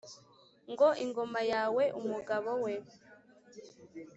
ngo : ingoma yawe mugabo we !